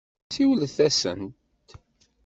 Siwlet-asent.